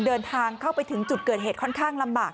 เดินทางเข้าไปถึงจุดเกิดเหตุค่อนข้างลำบาก